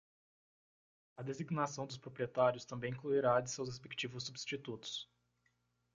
A designação dos proprietários também incluirá a de seus respectivos substitutos.